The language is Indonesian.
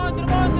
tasik tasik tasik